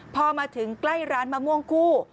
พอมาถึงใกล้ร้านมะม่วงคู่